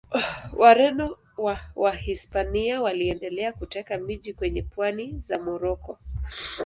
Wareno wa Wahispania waliendelea kuteka miji kwenye pwani za Moroko.